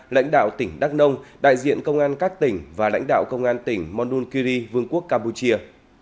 lãnh đạo tỉnh đắk nông đại diện công an các tỉnh và lãnh đạo công an tỉnh monunkiri vương quốc campuchia